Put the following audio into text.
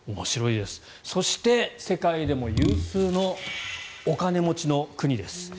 そして、世界でも有数のお金持ちの国です。